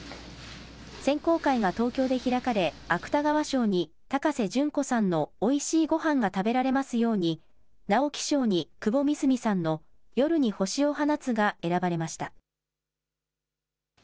選考会が東京で開かれ、芥川賞に高瀬隼子さんのおいしいごはんが食べられますように、直木賞に窪美澄さんの夜に星を放つが選ばれました。